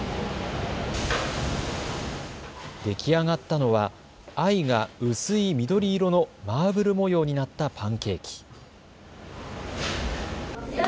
出来上がったのは藍が薄い緑色のマーブル模様になったパンケーキ。